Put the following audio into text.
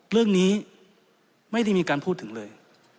เรื่องนี้ไม่ได้มีการพูดถึงเลย